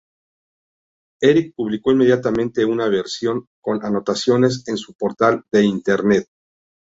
Eric publicó inmediatamente una versión con anotaciones en su portal de internet.